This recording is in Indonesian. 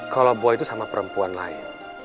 kalau buah itu sama perempuan lain